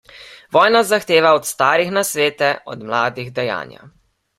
Vojna zahteva od starih nasvete, od mladih dejanja.